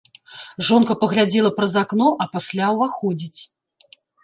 Жонка паглядзела праз акно, а пасля ўваходзіць.